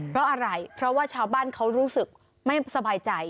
เพราะอะไรเพราะว่าชาวบ้านเขารู้สึกไม่สบายใจ